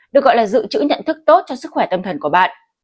được gọi là dự trữ nhận thức tốt cho sức khỏe tâm thần của bạn